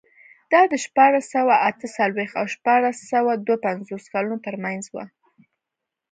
دا د شپاړس سوه اته څلوېښت او شپاړس سوه دوه پنځوس کلونو ترمنځ و.